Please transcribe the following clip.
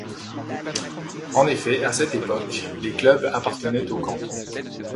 En effet, à cette époque, les clubs appartenaient aux cantons.